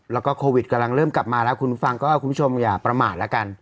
แล้วก็โควิดกำลังเริ่มกลับมาแล้วคุณฟังก็คุณผู้ชมอย่าประมาทแล้วกัน